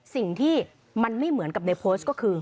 สิ่งที่มันไม่เหมือนกับในโพสต์ก็คือ